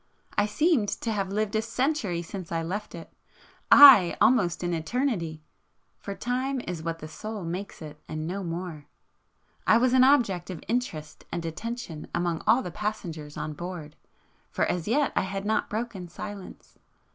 I seemed to have lived a century since I left it,—aye, almost an eternity,—for time is what the Soul makes it, and no more. I was an object of interest and attention among all the passengers on board, for as yet I had [p 479] not broken silence.